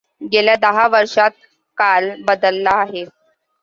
गेल्या दहा वर्षात काळ बदलला आहे.